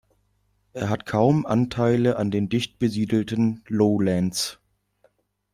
Er hat kaum Anteile an den dicht besiedelten "Lowlands".